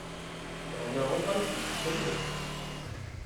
Meɛna uɣalet-d ttxil-wet!